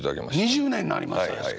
２０年になりましたですか。